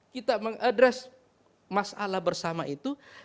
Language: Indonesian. kita mengaddress masalah bersama itu karena kita juga punya semangat